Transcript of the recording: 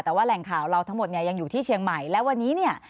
แต่ว่าแหล่งข่าวเราทั้งหมดเนี่ยยังอยู่ที่เชียงใหม่และวันนี้เนี่ย